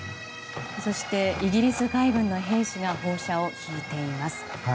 そして、イギリス海軍の兵士が砲車を引いています。